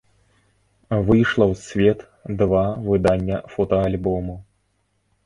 Выйшла ў свет два выдання фотаальбому.